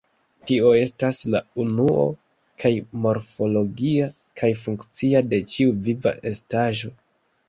Tio estas, la unuo kaj morfologia kaj funkcia de ĉiu viva estaĵo.